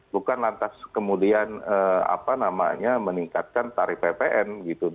bukan lantas kemudian apa namanya meningkatkan tarif ppn gitu